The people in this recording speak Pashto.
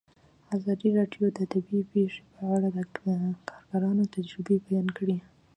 ازادي راډیو د طبیعي پېښې په اړه د کارګرانو تجربې بیان کړي.